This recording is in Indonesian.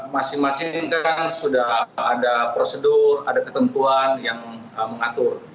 masing masing kan sudah ada prosedur ada ketentuan yang mengatur